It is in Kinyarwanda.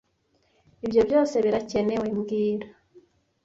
Ibyo byose birakenewe mbwira